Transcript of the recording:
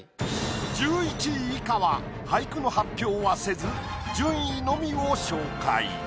１１位以下は俳句の発表はせず順位のみを紹介。